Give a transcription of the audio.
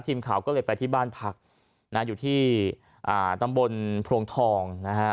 ทีมข่าวก็เลยไปที่บ้านพักนะฮะอยู่ที่อ่าตำบลพรวงทองนะฮะ